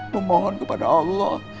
memohon kepada allah